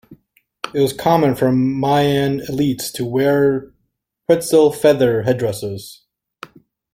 It was common for Mayan elites to wear quetzal feather headresses.